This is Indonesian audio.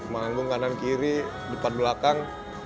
manggung kanan kiri depan belakang